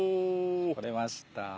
採れました